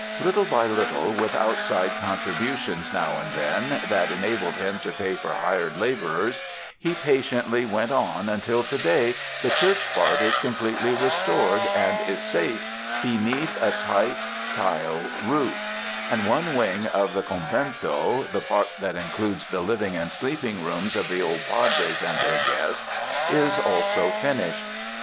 Little by little, with outside con tributions, now and then, that enabled him to pay for hired laborers, he patiently went on until to day the church part is completely restored and is safe beneath a tight tile roof; and one wing of the con vento, the part that includes the living and sleeping rooms of the old Padres and their guests, is also finished.